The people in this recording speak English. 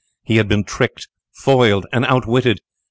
He had been tricked, foiled, and out witted!